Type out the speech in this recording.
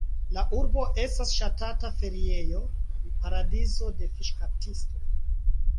La urbo estas ŝatata feriejo, paradizo de fiŝkaptistoj.